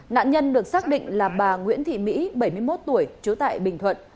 nạn nhân được xác định là bà nguyễn thị mỹ bảy mươi một tuổi trú tại bình thuận